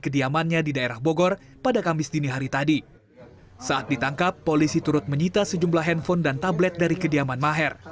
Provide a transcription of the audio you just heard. di gedung bareskrim